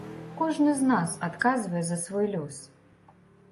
Кожны з нас адказвае за свой лёс.